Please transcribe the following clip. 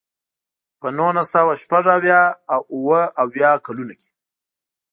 په نولس سوه شپږ اویا او اوه اویا کلونو کې.